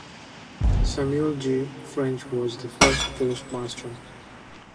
Samuel G. French was the first postmaster.